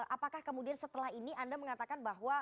apakah kemudian setelah ini anda mengatakan bahwa